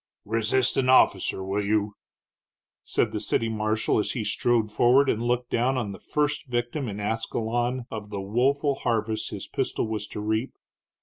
"Resist an officer, will you?" said the city marshal, as he strode forward and looked down on the first victim in Ascalon of the woeful harvest his pistol was to reap.